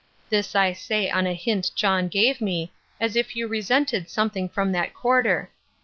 This I say on a hint John gave me, as if you resented something from that quarter.